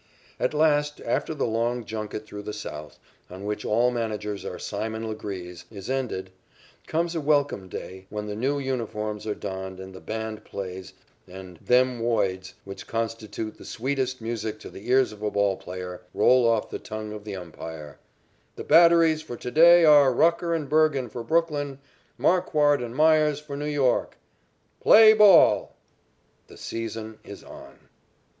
At last, after the long junket through the South, on which all managers are Simon Legrees, is ended, comes a welcome day, when the new uniforms are donned and the band plays and "them woids" which constitute the sweetest music to the ears of a ball player, roll off the tongue of the umpire: "The batteries for to day are Rucker and Bergen for Brooklyn, Marquard and Meyers for New York. Play ball!" The season is on.